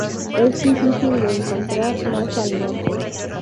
Es difícil de encontrar más al norte.